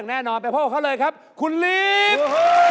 แน่นอนไปพบเขาเลยครับคุณลิฟต์